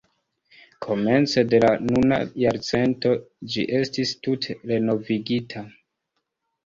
Komence de la nuna jarcento ĝi estis tute renovigita.